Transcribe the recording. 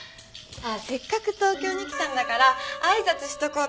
せっかく東京に来たんだから挨拶しとこうと思って。